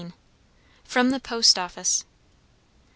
FROM THE POST OFFICE.